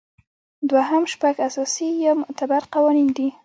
دوهم شپږ اساسي یا معتبر قوانین دي.